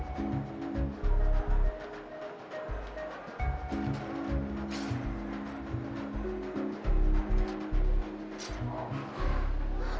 rajin banget sih